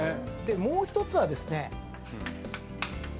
もう１つはですね。